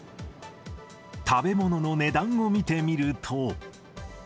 食べ物の値段を見てみると。